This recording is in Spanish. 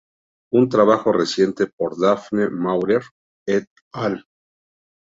Un trabajo reciente por Daphne Maurer "et al.